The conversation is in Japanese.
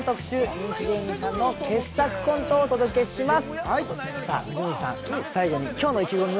人気芸人さんの傑作コントをお届けします。